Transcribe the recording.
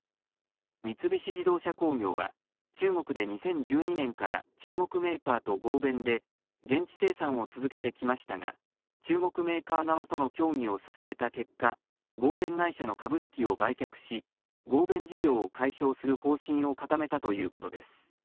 三菱自動車工業は中国で２０１２年から中国メーカーと合弁で現地生産を続けてきましたが中国メーカー側との協議を進めた結果、合弁会社の株式を売却し合弁事業を解消する方針を固めたということです。